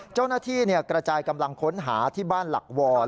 เจ้าหน้าที่กระจายกำลังค้นหาที่บ้านหลักวร